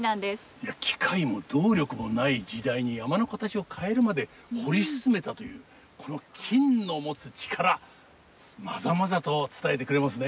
いや機械も動力もない時代に山の形を変えるまで掘り進めたというこの金の持つ力まざまざと伝えてくれますね。